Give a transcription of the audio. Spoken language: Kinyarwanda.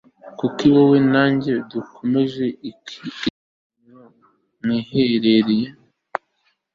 kuki wowe na njye dukomeje iki kiganiro mwiherereye